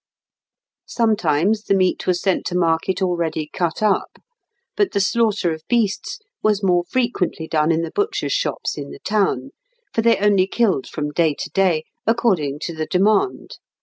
Sometimes the meat was sent to market already cut up, but the slaughter of beasts was more frequently done in the butchers' shops in the town; for they only killed from day to day, according to the demand.